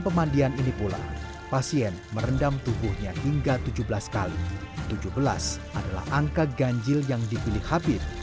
pemandian ini pula pasien merendam tubuhnya hingga tujuh belas kali tujuh belas adalah angka ganjil yang dipilih habib